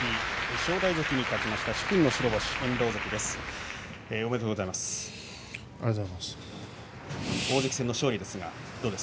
正代関に勝ちました殊勲の白星、遠藤関です。